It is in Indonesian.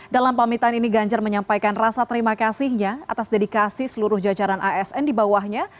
dalam pamitan ini ganjar menyampaikan rasa terima kasihnya atas dedikasi seluruh jajaran asn di bawahnya